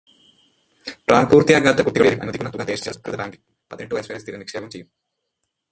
പ്രായപൂര്ത്തിയാകാത്ത കുട്ടികളുടെ പേരില് അനുവദിക്കുന്ന തുക ദേശസാല്ക്കൃത ബാങ്കില് പതിനെട്ടു വയസ്സുവരെ സ്ഥിരനിക്ഷേപം ചെയ്യും.